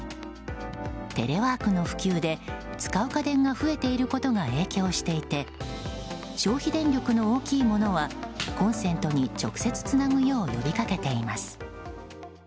テレワークの普及で使う家電が増えていることが影響していて消費電力の大きいものはコンセントに直接つなぐよう呼びかけています。